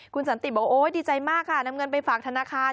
คุณสันติบอกโอ๊ยดีใจมากค่ะนำเงินไปฝากธนาคาร